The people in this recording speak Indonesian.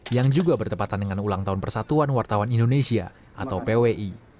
yang juga bertepatan dengan ulang tahun persatuan wartawan indonesia atau pwi